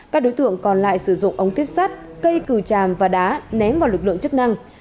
các đối tượng còn lại sử dụng ống tuyếp sắt cây cừu tràm và đá ném vào lực lượng chức năng